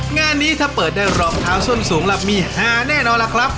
งานนี้ถ้าเปิดได้รองเท้าส้นสูงล่ะมีฮาแน่นอนล่ะครับ